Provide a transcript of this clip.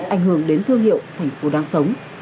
ảnh hưởng đến thương hiệu thành phố đang sống